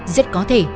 rất có thể